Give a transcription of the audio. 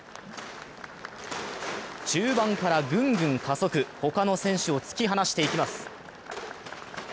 中盤からグングン加速、他の選手を突き放していきます。